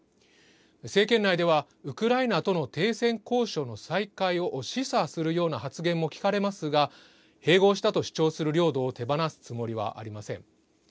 政権内ではウクライナとの停戦交渉の再開を示唆するような発言も聞かれますが併合したと主張する領土を手放すつもりはありません。